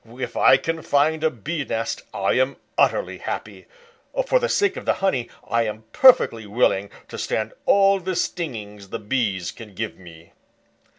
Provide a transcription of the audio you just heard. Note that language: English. If I can find a Bee nest I am utterly happy. For the sake of the honey, I am perfectly willing to stand all the stinging the Bees can give me.